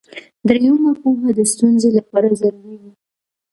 دریمه پوهه د ستونزې لپاره ضروري وي.